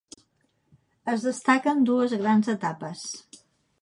Es destaquen dues grans etapes.